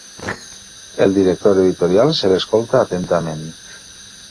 El director editorial se l'escolta atentament.